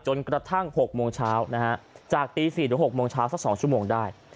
กระทั่ง๖โมงเช้านะฮะจากตี๔หรือ๖โมงเช้าสัก๒ชั่วโมงได้